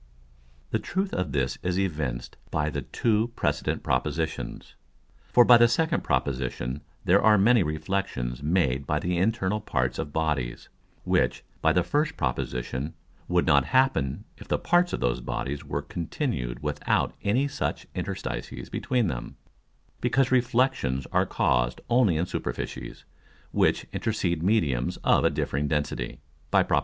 _ The truth of this is evinced by the two precedent Propositions: For by the second Proposition there are many Reflexions made by the internal parts of Bodies, which, by the first Proposition, would not happen if the parts of those Bodies were continued without any such Interstices between them; because Reflexions are caused only in Superficies, which intercede Mediums of a differing density, by _Prop.